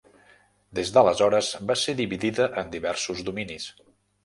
Des d'aleshores va ser dividida en diversos dominis.